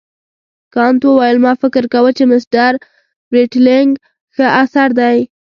کانت وویل ما فکر کاوه چې مسټر برېټلنیګ ښه اثر دی.